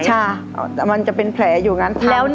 ใช่มันจะเป็นแผลอยู่งั้นทำตลอด